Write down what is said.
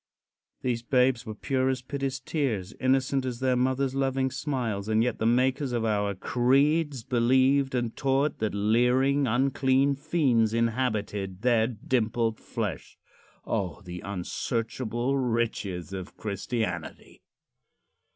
These babes were pure as Pity's tears, innocent as their mother's loving smiles, and yet the makers of our creeds believed and taught that leering, unclean fiends inhabited their dimpled flesh. O, the unsearchable riches of Christianity!